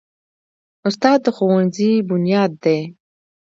استاد د ښوونځي بنیاد دی.